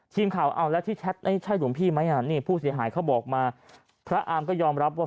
ทีมข่าวเอาแล้วที่แชทนี่ใช่หลวงพี่ไหมอ่ะนี่ผู้เสียหายเขาบอกมาพระอาร์มก็ยอมรับว่า